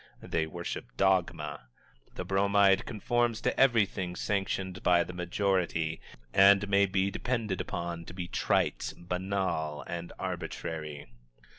They worship dogma. The Bromide conforms to everything sanctioned by the majority, and may be depended upon to be trite, banal and arbitrary.